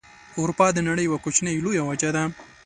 اروپا د نړۍ یوه کوچنۍ لویه وچه ده.